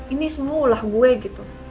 ini semulah gue gitu